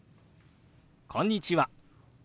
「こんにちは」。